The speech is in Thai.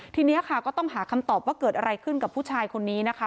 ทีนี้ค่ะก็ต้องหาคำตอบว่าเกิดอะไรขึ้นกับผู้ชายคนนี้นะคะ